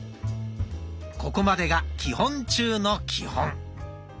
ここまでが基本中の基本。